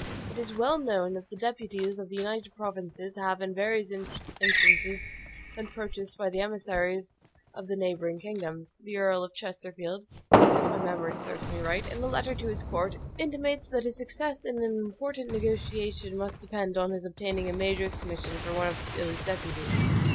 It is well known that the deputies of the United Provinces have, in various instances, been purchased by the emissaries of the neighboring kingdoms. The Earl of Chesterfield (if my memory serves me right), in a letter to his court, intimates that his success in an important negotiation must depend on his obtaining a major's commission for one of those deputies.